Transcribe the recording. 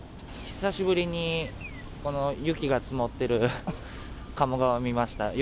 久しぶりに、雪が積もってる鴨川を見ました。